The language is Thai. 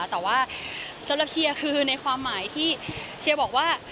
แต่ว่าสำหรับเชียร์คือในความหมายที่เชียร์บอกว่า